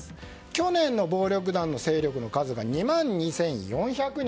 去年の暴力団の勢力の数が２万２４００人。